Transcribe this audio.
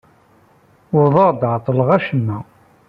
Wwḍeɣ-d ɛeṭṭleɣ acemma.